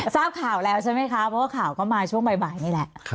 ทราบข่าวแล้วใช่ไหมคะเพราะว่าข่าวก็มาช่วงบ่ายนี่แหละ